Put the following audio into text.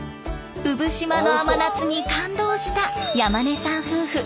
産島の甘夏に感動した山根さん夫婦。